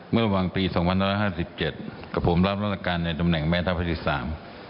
เมื่อระหว่างปี๒๕๕๗กับผมรับรัฐการในตำแหน่งแม่ทภภิกษา